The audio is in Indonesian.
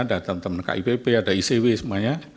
ada teman teman kipp ada icw semuanya